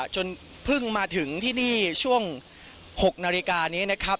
จนเพิ่งมาถึงที่นี่ช่วง๖นาฬิกานี้นะครับ